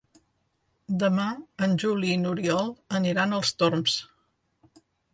Demà en Juli i n'Oriol aniran als Torms.